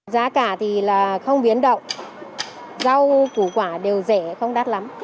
giá cả thì là không biến động rau củ quả đều rẻ không đắt lắm